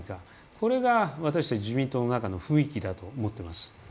これが私たち自民党の中の雰囲気だと思っています。